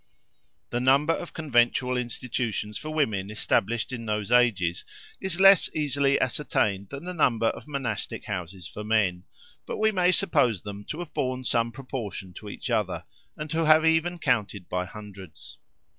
The number of conventual institutions for women established in those ages, is less easily ascertained than the number of monastic houses for men; but we may suppose them to have borne some proportion to each other, and to have even counted by hundreds.